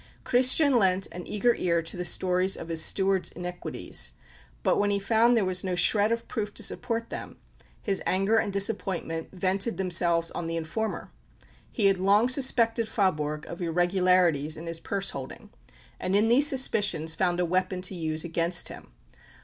Christian lent an eager ear to the stories of his steward's iniquities; but, when he found there was no shred of proof to support them, his anger and disappointment vented themselves on the informer. He had long suspected Faaborg of irregularities in his purse holding, and in these suspicions found a weapon to use against him.